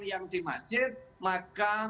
yang di masjid maka